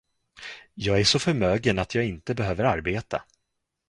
Jag är så förmögen, att jag inte behöver arbeta.